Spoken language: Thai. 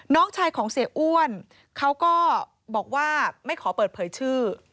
น้องชายของเสียอ้วนเขาก็บอกว่าไม่ขอเปิดเผยชื่อ